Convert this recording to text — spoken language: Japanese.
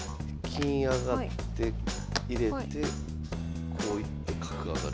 金上がって入れてこう行って角上がる。